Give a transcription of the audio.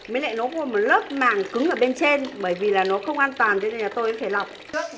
mới lại nó có một lớp màng cứng ở bên trên bởi vì là nó không an toàn thế nên là tôi cũng phải lọc